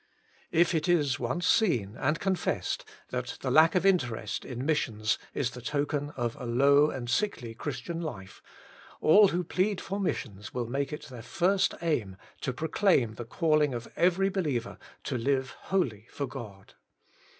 2. If it is once seen, and confessed, that the lack of interest in missions is the token of a low and sickly Christian life, all who plead for mis sions will make it their first aim to proclaim the calling of every believer to live wholly for God.